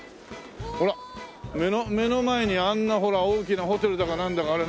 ほら目の前にあんなほら大きなホテルだかなんだか。